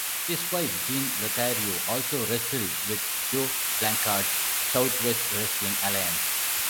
His wife, Jean Lothario, also wrestled with Joe Blanchard's Southwest Wrestling Alliance.